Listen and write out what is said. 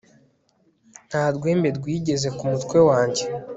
nta rwembe rwigeze ku mutwe wanjye